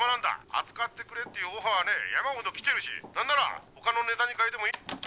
扱ってくれっていうオファーはね山ほど来てるし何ならほかのネタに変えてもいい。